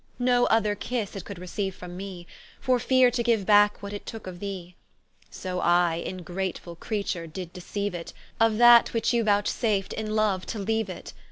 No other kisse it could receiue from me, For feare to giue backe what it tooke of thee: So I ingratefull Creature did deceiue it, Of that which you vouchsaft in loue to leaue it.